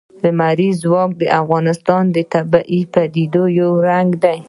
لمریز ځواک د افغانستان د طبیعي پدیدو یو رنګ دی.